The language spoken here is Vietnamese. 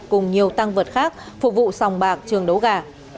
cùng nhiều tăng vật khác phục vụ sòng bạc trường đố gà